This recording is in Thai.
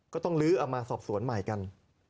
ก็ต้องลื้อเอามาสอบสวนใหม่กัน